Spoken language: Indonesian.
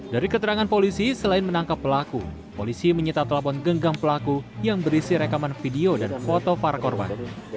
dari keterangan polisi selain menangkap pelaku polisi menyita telepon genggam pelaku yang berisi rekaman video dan foto para korban